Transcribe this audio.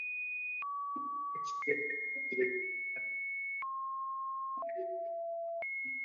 Rupert Murdoch sigue siendo el director general y accionista mayoritario de la nueva compañía.